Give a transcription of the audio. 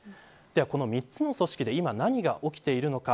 この３つの組織で今、何が起きているのか。